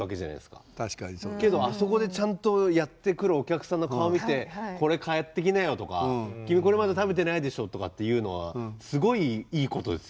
けどあそこでちゃんとやって来るお客さんの顔見て「これ買ってきなよ」とか「君これまだ食べてないでしょ」とかっていうのはすごいいいことですよね。